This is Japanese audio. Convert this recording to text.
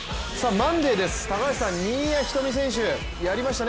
マンデーです、高橋さん新谷仁美選手、やりましたね